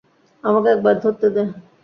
আমাকে একবার ধরতে দে।